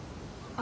あ。